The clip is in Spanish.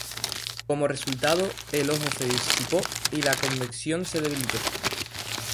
Como resultado, el ojo se disipó y la convección se debilitó.